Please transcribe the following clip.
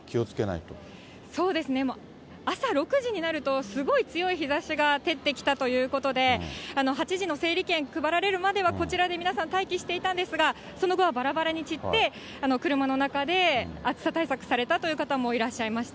そうですね、朝６時になると、すごい強い日ざしが照ってきたということで、８時の整理券配られるまではこちらで皆さん、待機していたんですが、その後はばらばらに散って、車の中で暑さ対策されたという方もいらっしゃいました。